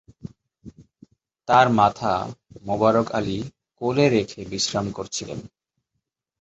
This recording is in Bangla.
তার মাথা মোবারক আলী কোলে রেখে বিশ্রাম করছিলেন।